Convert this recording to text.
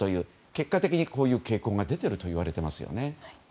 結果的に傾向が出ているといわれていますよね。